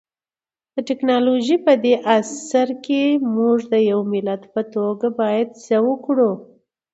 د ټکنالوژۍ پدې عصر کي مونږ د يو ملت په توګه بايد څه وکړو؟